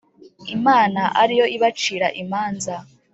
Imana ari yo ibacira imanza